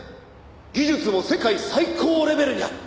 「技術も世界最高レベルにある」